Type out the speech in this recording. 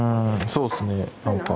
そうっすね。